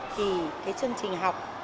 thì cái chương trình học